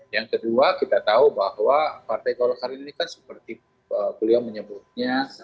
yang kedua kita tahu bahwa partai golkar ini kan seperti beliau menyebutnya